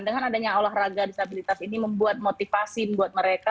dengan adanya olahraga disabilitas ini membuat motivasi buat mereka